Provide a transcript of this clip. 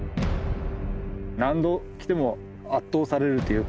何度来ても圧倒されるというか